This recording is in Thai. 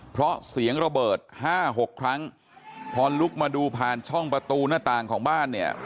เพราะเสียงระเบิดห้าหกครั้งพอลุกมาดูผ่านช่องประตูหน้าต่างของบ้านเนี่ย